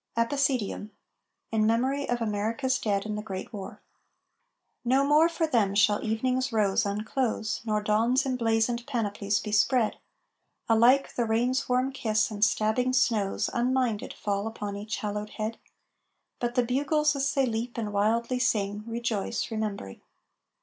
EPICEDIUM IN MEMORY OF AMERICA'S DEAD IN THE GREAT WAR No more for them shall Evening's rose unclose, Nor Dawn's emblazoned panoplies be spread; Alike, the Rain's warm kiss, and stabbing snows, Unminded, fall upon each hallowed head. But the Bugles as they leap and wildly sing, Rejoice, ... remembering.